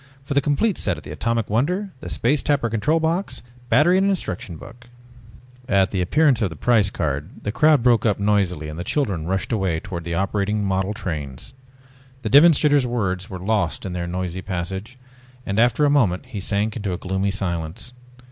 "For the complete set of the Atomic Wonder, the Space Tapper control box, battery and instruction book ..." At the appearance of the price card the crowd broke up noisily and the children rushed away towards the operating model trains. The demonstrator's words were lost in their noisy passage, and after a moment he sank into a gloomy silence.